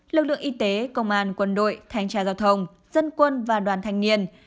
lực lượng y tế công an quân đội thanh tra giao thông dân quân và đoàn thanh niên